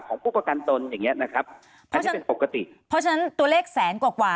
ผู้ประกันตนอย่างเงี้ยนะครับอันนี้เป็นปกติเพราะฉะนั้นตัวเลขแสนกว่ากว่า